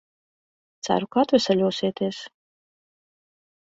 Ceru, ka atveseļosieties.